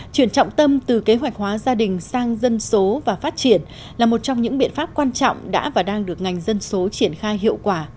chuyển trọng tâm từ kế hoạch hóa gia đình sang dân số và phát triển là một trong những biện pháp quan trọng đã và đang được ngành dân số triển khai hiệu quả